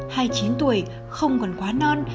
hai chín tuổi không còn quá nặng